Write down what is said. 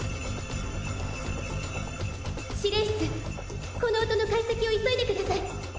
指令室この音の解析を急いでください。